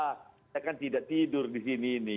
kita kan tidak tidur di sini ini